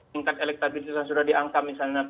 tingkat elektabilitasnya sudah diangkat misalnya